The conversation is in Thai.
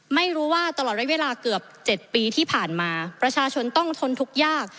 ไม่รู้ว่าตลอดระยะเวลาเกือบ๗ปีที่ผ่านมาประชาชนต้องทนทุกข์ยาก